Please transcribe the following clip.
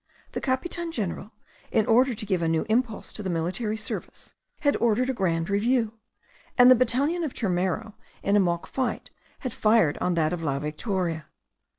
The capitan general, in order to give a new impulse to the military service, had ordered a grand review; and the battalion of Turmero, in a mock fight, had fired on that of La Victoria.